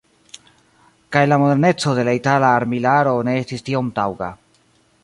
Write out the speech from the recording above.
Kaj la moderneco de la itala armilaro ne estis tiom taŭga.